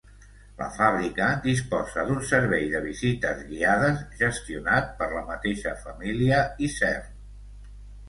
La fàbrica disposa d'un servei de visites guiades, gestionat per la mateixa família Isern.